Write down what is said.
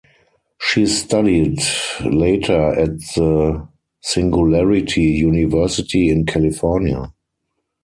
She studied later at the Singularity University in California.